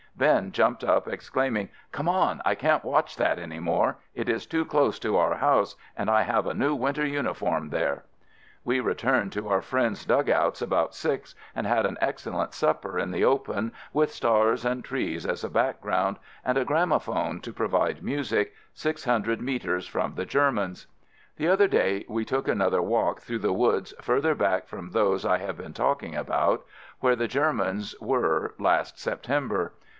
Ben jumped up exclaiming, "Come on. I can't watch that any more; it is too close to our house and I have a new winter uniform there." We returned to our friends' dugouts about six and had an excellent supper in the open with stars and trees as a back ground and a gramophone to provide music, 600 metres from the Germans. The other day, we took another walk through the woods further back from those I have been talking about, where the Germans were last September.